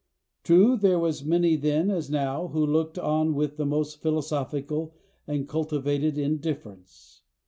True, there was many then, as now, who looked on with the most philosophic and cultivated indifference.